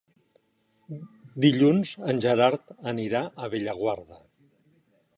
Dilluns en Gerard anirà a Bellaguarda.